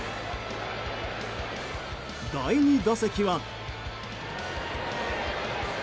第２打席は。